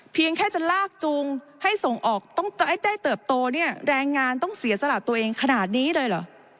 เพียงแค่จะลากจูงให้ส่งออกต้องได้เติบโตเนี่ยแรงงานต้องเสียสละตัวเองขนาดนี้เลยเหรอ